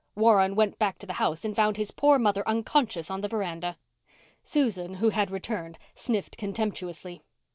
Warren went back to the house and found his poor mother unconscious on the veranda." Susan, who had returned, sniffed contemptuously.